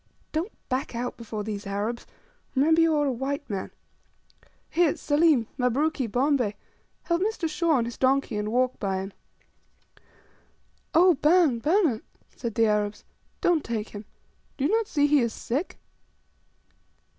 Don't back out before these Arabs; remember you are a white man. Here, Selim, Mabruki, Bombay, help Mr. Shaw on his donkey, and walk by him." "Oh, bana, bans," said the Arabs, "don't take him. Do you not see he is sick?"